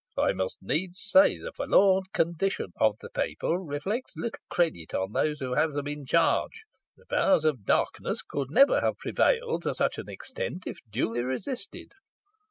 I must needs say, the forlorn condition of the people reflects little credit on those who have them in charge. The powers of darkness could never have prevailed to such an extent if duly resisted."